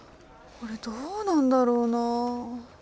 これどうなんだろうなあ。